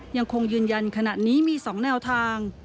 ยังคงยืนยันขณะนี้มี๒แนวทาง